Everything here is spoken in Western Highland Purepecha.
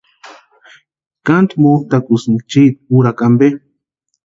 ¿Kánti motʼakusïnki chiiti úrakwa ampe?